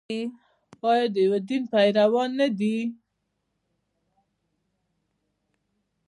آیا د یو دین پیروان نه دي؟